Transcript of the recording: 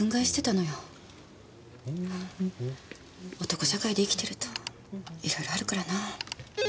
男社会で生きてるといろいろあるからな。